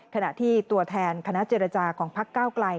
ขณะที่ตัวแทนคณะเจรจาของพักเก้าไกล